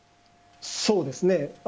そうですね。